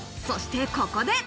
そして、ここで。